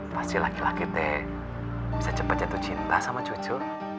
pasti laki laki teh bisa cepat jatuh cinta sama cucu